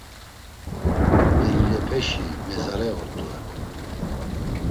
Didilepeşi mezare ort̆u heko.